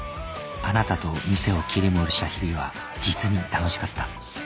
あなたと店を切り盛りした日々は実に楽しかった。